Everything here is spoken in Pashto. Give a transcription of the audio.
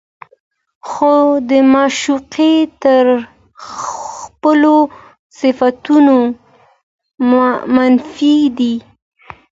خو د معشوقې تر خپلو صفتونو منفي دي